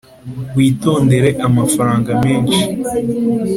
witondere amafaranga menshi